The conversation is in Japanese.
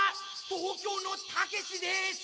東京のたけしです。